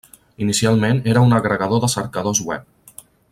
Inicialment era un agregador de cercadors web.